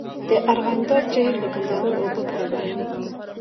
د ارغنداب جهیل د کندهار اوبه برابروي